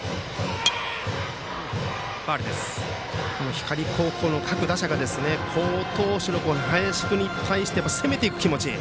光高校の各打者が好投手の林君に対して攻めていく気持ち